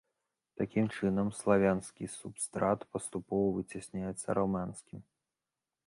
Такім чынам, славянскі субстрат паступова выцясняецца раманскім.